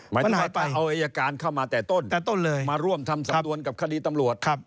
หมายถึงใครไปเอาอายการเข้ามาแต่ต้นแต่ต้นเลยมาร่วมทำสำนวนกับคดีตำรวจ